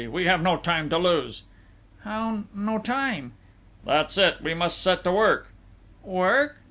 "We have no time to lose!" "How? No time...." "That's it! We must set to work...." "Work?...